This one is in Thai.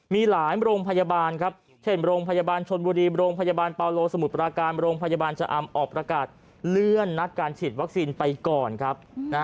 มีหลายโรงพยาบาลครับเช่นโรงพยาบาลชนบุรีโรงพยาบาลปาโลสมุทรปราการโรงพยาบาลชะอำออกประกาศเลื่อนนัดการฉีดวัคซีนไปก่อนครับ